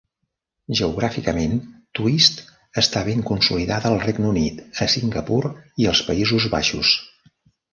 Geogràficament, Twist està ben consolidada al Regne Unit, a Singapur i als Països Baixos.